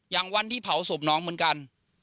อย่างวันที่เผาศพน้องเหมือนกัน